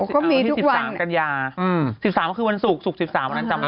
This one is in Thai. ก็มีวันที่๑๓กันยา๑๓ก็คือวันศุกร์ศุกร์๑๓วันนั้นจำได้